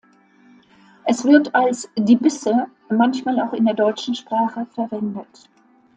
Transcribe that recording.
Es wird als "die Bisse" manchmal auch in der deutschen Sprache verwendet.